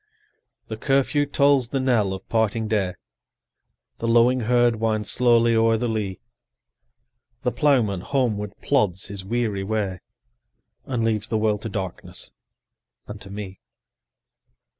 The curfew tolls the knell of parting day, The lowing herd wind slowly o'er the lea, The plowman homeward plods his weary way, And leaves the world to darkness and to me.